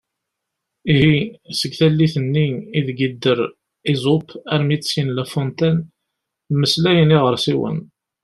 Ihi seg tallit-nni ideg yedder Esope armi d tin n La Fontaine “mmeslayen iɣersiwen”.